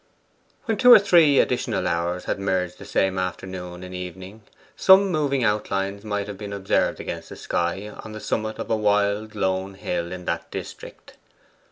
When two or three additional hours had merged the same afternoon in evening, some moving outlines might have been observed against the sky on the summit of a wild lone hill in that district.